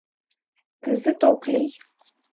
Кызыт ок лий...